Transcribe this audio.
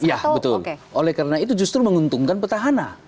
ya betul oleh karena itu justru menguntungkan petahana